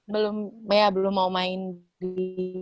belum bea belum mau main di